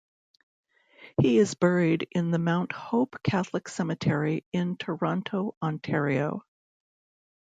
He is buried in the Mount Hope Catholic Cemetery in Toronto, Ontario.